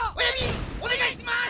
お願いします！